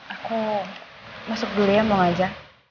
aku masuk dulu ya mau ngajak